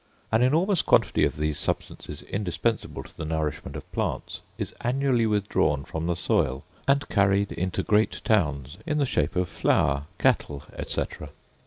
An enormous quantity of these substances indispensable to the nourishment of plants, is annually withdrawn from the soil and carried into great towns, in the shape of flour, cattle, et cetera.